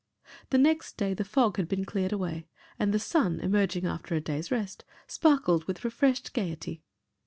The next day the fog had been cleared away and the sun, emerging after a day's rest, sparkled with refreshed gaiety.